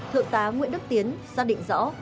thượng tá nguyễn đức tiến ra định rõ